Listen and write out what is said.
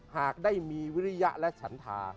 หากได้มีวิทยาละถา